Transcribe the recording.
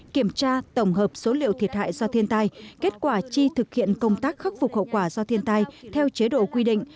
kiểm tra tổng hợp số liệu thiệt hại do thiền tài kết quả chi thực hiện công tác khắc phục hậu quả do thiền tài theo chế độ quy định